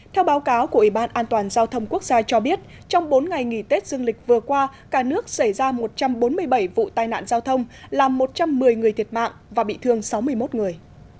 theo báo cáo của ủy ban an toàn giao thông quốc gia cho biết trong bốn ngày nghỉ tết dương lịch vừa qua cả nước xảy ra một trăm bốn mươi bảy vụ tai nạn giao thông làm một trăm một mươi người thiệt mạng và bị thương sáu mươi một người